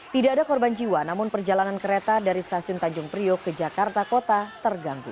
tidak ada korban jiwa namun perjalanan kereta dari stasiun tanjung priok ke jakarta kota terganggu